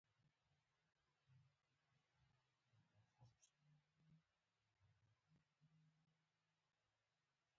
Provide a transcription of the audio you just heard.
علي هېڅ کار او کسب نه کوي، په کور تیار خور مخته شوی دی.